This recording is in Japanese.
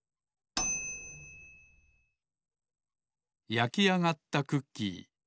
やきあがったクッキー